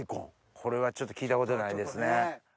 これはちょっと聞いたことないですね。